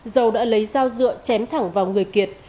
dầu đã lấy dao dựa chém thẳng vào người kiệt